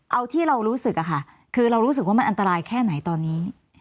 เอาที่เรารู้สึกอะค่ะคือเรารู้สึกว่ามันอันตรายแค่ไหนตอนนี้